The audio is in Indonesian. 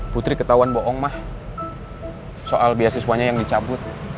putri ketahuan bohong ma soal biasiswanya yang dicabut